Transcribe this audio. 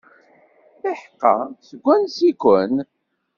Iḥeqqa, seg wansi-ken?